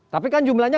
tapi kan jumlahnya